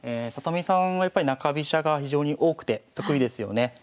里見さんはやっぱり中飛車が非常に多くて得意ですよね。